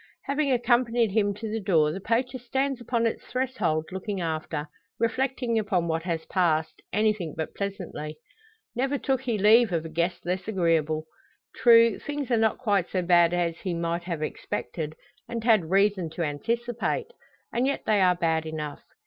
Having accompanied him to the door, the poacher stands upon its threshold looking after, reflecting upon what has passed, anything but pleasantly. Never took he leave of a guest less agreeable. True, things are not quite so bad as he might have expected, and had reason to anticipate. And yet they are bad enough.